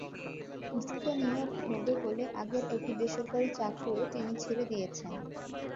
দ্রুত নিয়োগ হবে বলে আগের একটি বেসরকারি চাকরিও তিনি ছেড়ে দিয়েছেন।